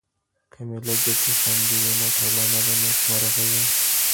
که ملي ګټې خوندي وي نو ټولنه به نېکمرغه وي.